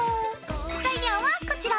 材料はこちら。